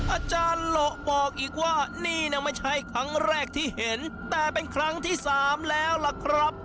อาจารย์โหลบอกอีกว่านี่นะไม่ใช่ครั้งแรกที่เห็นแต่เป็นครั้งที่สามแล้วล่ะครับ